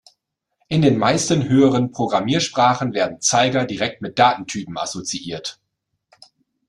In den meisten höheren Programmiersprachen werden Zeiger direkt mit Datentypen assoziiert.